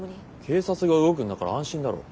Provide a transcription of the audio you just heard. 警察が動くんだから安心だろ。